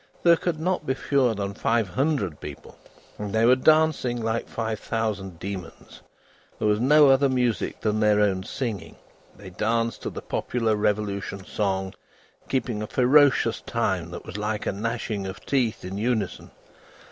There could not be fewer than five hundred people, and they were dancing like five thousand demons. There was no other music than their own singing. They danced to the popular Revolution song, keeping a ferocious time that was like a gnashing of teeth in unison.